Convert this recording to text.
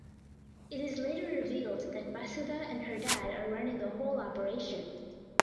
It is later revealed that Vasudha and her dad are running the whole operation.